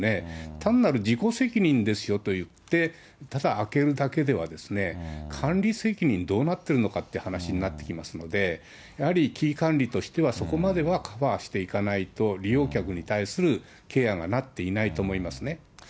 単なる自己責任ですよと言って、ただあけるだけでは管理責任、どうなってるのかって話になってきますので、やはり危機管理としては、そこまではカバーしていかないと、利用客に対するケアがなっていないと思いますね。